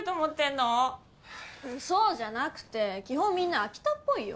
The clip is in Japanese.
そうじゃなくて基本みんな飽きたっぽいよ。